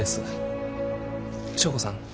祥子さん